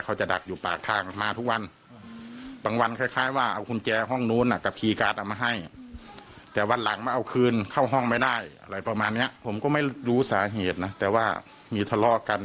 เข้าห้องไปได้อะไรประมาณเนี่ยผมก็ไม่รู้สาเหตุนะแต่ว่ามีทะเลาะกัน